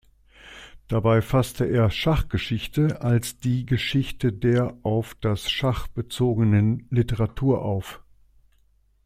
Dabei fasste er Schachgeschichte als die Geschichte der auf das Schach bezogenen Literatur auf.